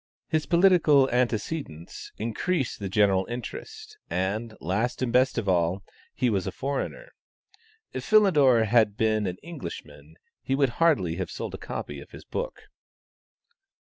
His political antecedents increased the general interest, and, last and best of all, he was a foreigner. If Philidor had been an Englishman he would hardly have sold a copy of his book.